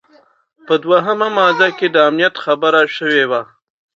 په دوهمه ماده کي د امنیت خبره شوې وه.